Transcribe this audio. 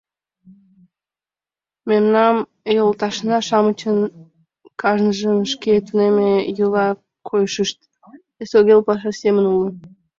Мемнан йолташна-шамычын кажныжын шке тунемме йӱла-койышышт, эсогыл паша семын уло.